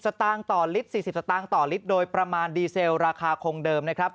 ตางค์ต่อลิตร๔๐สตางค์ต่อลิตรโดยประมาณดีเซลราคาคงเดิมนะครับ